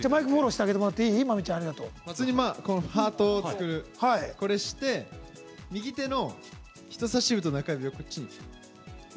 普通にハートを作って右手の人さし指と中指をこっちに。